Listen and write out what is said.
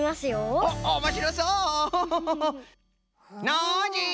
ノージー！